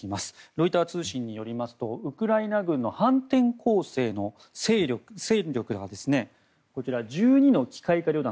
ロイター通信によりますとウクライナ軍の反転攻勢の戦力はこちら、１２の機械科旅団